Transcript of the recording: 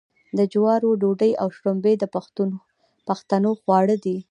د جوارو ډوډۍ او شړومبې د پښتنو خواړه دي.